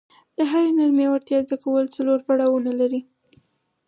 د هرې نرمې وړتیا زده کول څلور پړاونه لري.